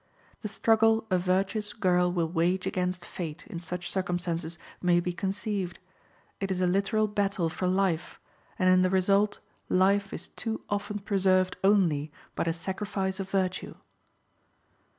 The struggle a virtuous girl will wage against fate in such circumstances may be conceived: it is a literal battle for life, and in the result life is too often preserved only by the sacrifice of virtue.